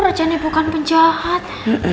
raja ini bukan penjahat